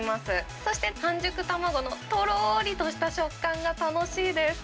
そして、半熟卵のとろーりとした食感が楽しいです。